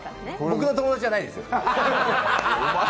僕の友達じゃないですよ。